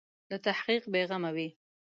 له تحقیق بې غمه وي.